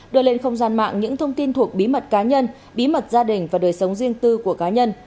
đưa lên không gian mạng những thông tin thuộc bí mật cá nhân bí mật gia đình và đời sống riêng tư của cá nhân